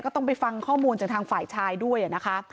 ต้องไปฟังข้อมูลจากทางฝ่ายชายด้วยนะคะ